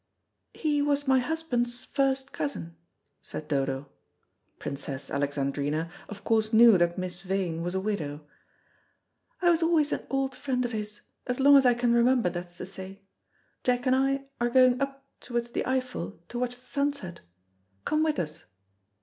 "He was my husband's first cousin," said Dodo. Princess Alexandrina of course knew that Miss Vane was a widow. "I was always an old friend of his as long as I can remember, that's to say. Jack and I are going up towards the Eiffel to watch the sunset. Come with us."